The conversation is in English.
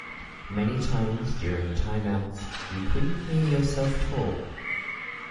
Many times during timeouts you couldn't hear yourself talk.